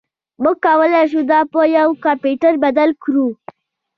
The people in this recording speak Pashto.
موږ کولی شو دا په یو کمپیوټر بدل کړو